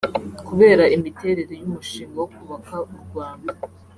Kubera imiterere y’umushinga wo kubaka u Rwanda